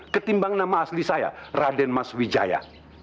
ketimbang nama asli saya raden mas wijaya